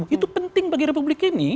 itu penting bagi republik ini